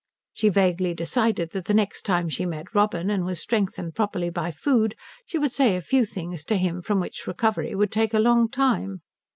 She vaguely decided that the next time she met Robin and was strengthened properly by food she would say a few things to him from which recovery would take a long while.